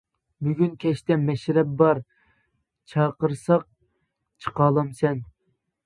بۈگۈن كەچتە مەشرەپ بار، چاقىرساق چىقالامسەن.